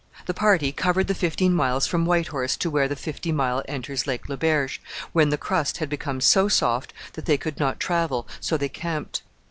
The party covered the fifteen miles from White Horse to where the Fifty Mile enters Lake Le Berge, when the crust had become so soft that they could not travel, so they camped.